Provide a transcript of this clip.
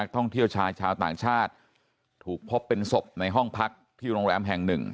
ท่องเที่ยวชายชาวต่างชาติถูกพบเป็นศพในห้องพักที่โรงแรมแห่งหนึ่ง